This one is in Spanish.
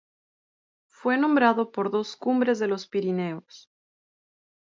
Fue nombrado por dos cumbres de los Pirineos.